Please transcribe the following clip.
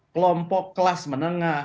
kelompok kelas menengah